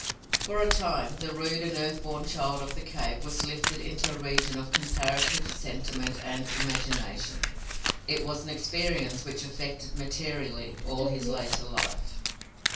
For a time, the rude and earth born child of the cave was lifted into a region of comparative sentiment and imagination. It was an experience which affected materially all his later life.